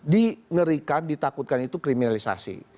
dingerikan ditakutkan itu kriminalisasi